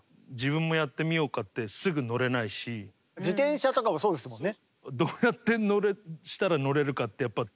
自転車とかもそうですもんね。